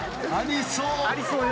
ありそう。